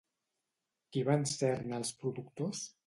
Qui van ser-ne els productors?